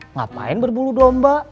ngapain berbulu domba